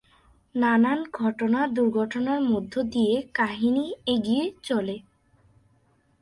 নানান ঘটনা, দুর্ঘটনার মধ্য দিয়ে কাহিনী এগিয়ে চলে।